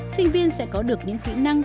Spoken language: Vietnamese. sinh viên sẽ có được những kỹ năng